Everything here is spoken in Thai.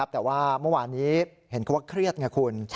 แต่ว่าเมื่อวานนี้เห็นเขาว่าเครียดไงคุณ